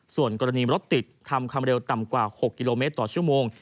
ส่วนกรณีรถติดทำความเร็วต่ำกว่า๖กิโลเมตรต่อชั่วโมง